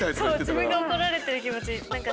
そう自分が怒られてる気持ち。